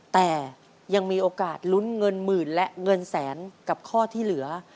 แต่ยังมีโอกาสลุ้นเงินหมื่นและเงินแสนกับข้อที่เหลือ